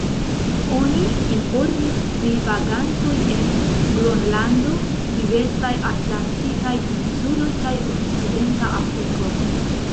Oni informis pri vagantoj en Gronlando, diversaj atlantikaj insuloj kaj Okcidenta Afriko.